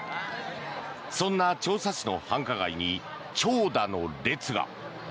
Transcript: そんな長沙市の繁華街に長蛇の列が。